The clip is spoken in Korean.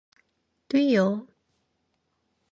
튀어!